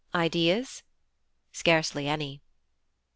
Ideas? Scarcely any.